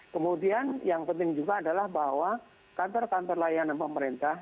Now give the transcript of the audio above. kemudian yang penting juga adalah bahwa kantor kantor layanan pemerintah